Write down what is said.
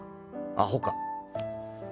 ［アホか］